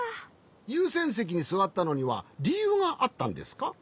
ゆうせんせきにすわったのにはりゆうがあったんですか？